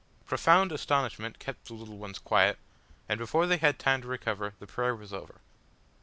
Profound astonishment kept the little ones quiet, and before they had time to recover the prayer was over.